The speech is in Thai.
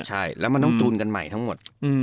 ใช่แล้วมันต้องจูนกันใหม่ทั้งหมด